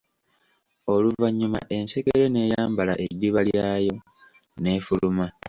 Oluvannyuma ensekere n'eyambala eddiba lyayo, n'efuluma.